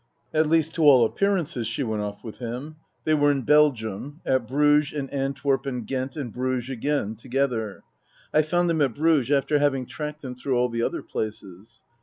At least, to all appearances she went off with him. They were in Belgium, at Bruges and Antwerp and Ghent and Bruges again together. I found them at Bruges after having tracked them through all the other places.